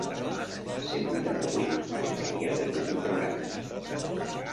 Cent vuitanta-vuit perquè havia perdut el programa.